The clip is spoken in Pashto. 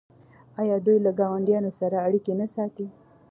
آیا دوی له ګاونډیانو سره اړیکې نه ساتي؟